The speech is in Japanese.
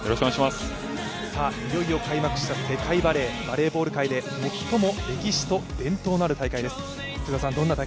いよいよ開幕した世界バレーバレーボール界で最も歴史と伝統のある大会です。